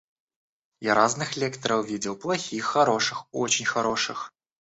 Я разных лекторов видел: плохих, хороших, очень хороших...